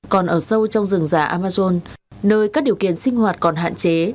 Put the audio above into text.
còn ở sâu trong rừng già amazon nơi các điều kiện sinh hoạt còn hạn chế